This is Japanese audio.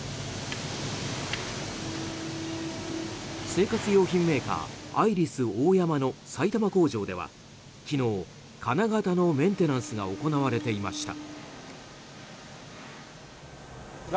生活用品メーカーアイリスオーヤマの埼玉工場では昨日、金型のメンテナンスが行われていました。